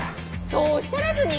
そうおっしゃらずに。